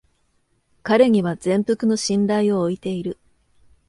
彼には全幅の信頼を置いている